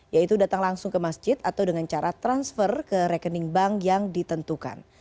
yaitu datang langsung ke masjid atau dengan cara transfer ke rekening bank yang ditentukan